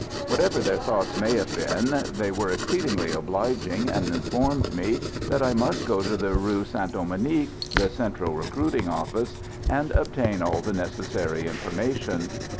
Whatever their thoughts may have been, they were exceedingly obliging, and informed me that I must go to the Rue St Dominique, the central recruiting office, and obtain all the necessary information.